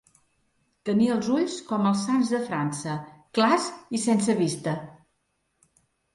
Tenir els ulls com els sants de França: clars i sense vista.